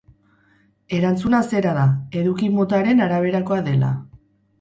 Erantzuna zera da, eduki motaren araberakoa dela.